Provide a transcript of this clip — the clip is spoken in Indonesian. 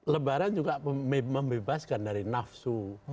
lebaran juga membebaskan dari nafsu